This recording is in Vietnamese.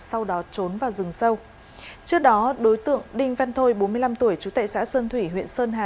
sau đó trốn vào rừng sâu trước đó đối tượng đinh văn thôi bốn mươi năm tuổi chú tệ xã sơn thủy huyện sơn hà